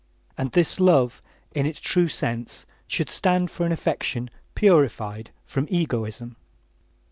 And this love, in its true sense, should stand for an affection purified from egoism.